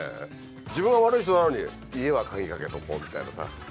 自分は悪い人なのに家は鍵かけておこうみたいなさ。